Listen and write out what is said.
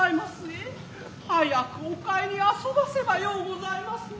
早くお帰り遊ばせば可うございますね。